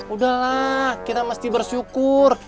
udahlah kita mesti bersyukur